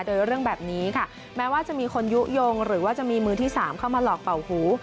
โดยเรื่องแบบนี้ค่ะแม้ว่าจะมีคนยุโยงหรือว่าจะมีมือที่๓เข้ามาหลอกเป่าหู